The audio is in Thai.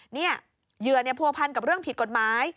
เหยื่อผัวพันกับเรื่องผิดกฎหมาย